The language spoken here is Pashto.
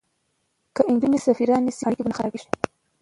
که نجونې سفیرانې شي نو اړیکې به نه خرابیږي.